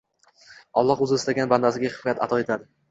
Alloh O‘zi istagan bandasiga hikmat ato etadi: